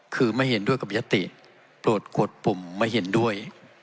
คือไม่เห็นด้วยกับยติโปรดกวดปุ่มไม่เห็นด้วย